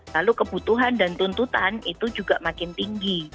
lalu kebutuhan dan tuntutan itu juga makin tinggi